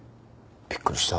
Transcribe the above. びっくりした。